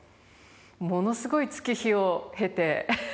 ものすごい月日を経て。